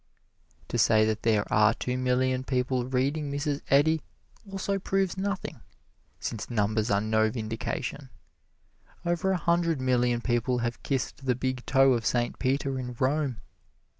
To say that there are two million people reading Mrs. Eddy, also proves nothing, since numbers are no vindication. Over a hundred million people have kissed the big toe of Saint Peter in Rome.